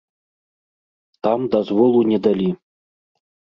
Там дазволу не далі.